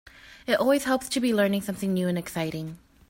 It always helps to be learning something new and exciting.